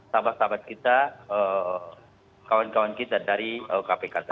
sahabat sahabat kita kawan kawan kita dari kpk tadi